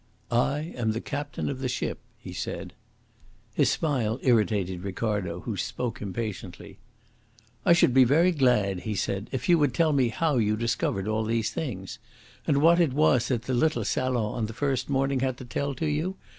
"I am the captain of the ship," he said. His smile irritated Ricardo, who spoke impatiently. "I should be very glad," he said, "if you would tell me how you discovered all these things. And what it was that the little salon on the first morning had to tell to you?